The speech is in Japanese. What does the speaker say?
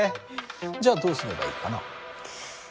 じゃあどうすればいいかな？